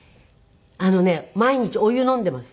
あのね毎日お湯飲んでいます。